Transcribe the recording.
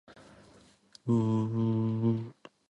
Ultimately, only the Phillies would win a championship that year.